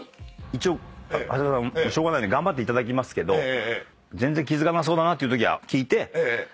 一応長谷川さん頑張っていただきますけど全然気付かなさそうだなっていうときは聞いて。